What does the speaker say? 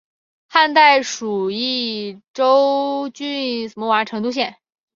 汉代属益州蜀郡成都县。